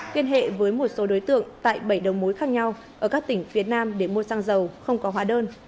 tiên hệ với một số đối tượng tại bảy đồng mối khác nhau ở các tỉnh việt nam để mua xăng dầu không có hóa đơn